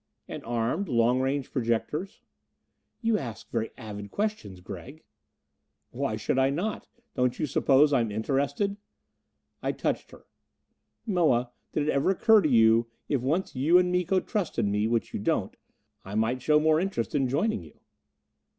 "And armed? Long range projectors?" "You ask very avid questions, Gregg!" "Why should I not? Don't you suppose I'm interested?" I touched her. "Moa, did it ever occur to you, if once you and Miko trusted me which you don't I might show more interest in joining you?"